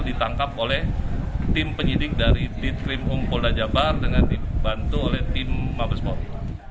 ditangkap oleh tim penyidik dari ditrim umpul dajabar dengan dibantu oleh tim mabes mopi